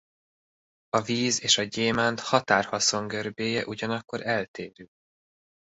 A víz és a gyémánt határhaszon-görbéje ugyanakkor eltérő.